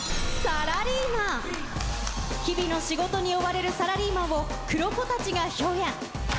日々の仕事に追われるサラリーマンを黒子たちが表現。